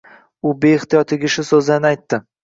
U beixtiyor tegishli so`zlarni aytdi